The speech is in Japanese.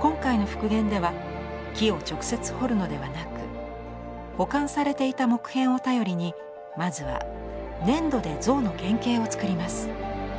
今回の復元では木を直接彫るのではなく保管されていた木片を頼りにまずは粘土で像の原形をつくります。